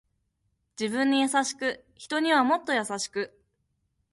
自分に優しく人にはもっと優しく